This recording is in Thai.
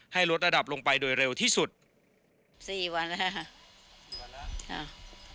ให้ลดระดับลงไปโดยเร็วที่สุดสี่วันแล้วค่ะสี่วันแล้วค่ะ